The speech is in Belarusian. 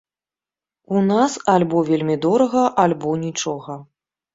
У нас альбо вельмі дорага, альбо нічога.